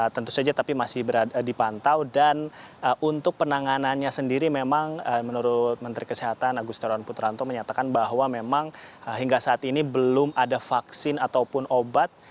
tentu saja tapi masih dipantau dan untuk penanganannya sendiri memang menurut menteri kesehatan agusteran putranto menyatakan bahwa memang hingga saat ini belum ada vaksin ataupun obat